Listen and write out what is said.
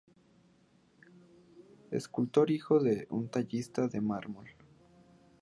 Escultor, hijo de un tallista de mármol.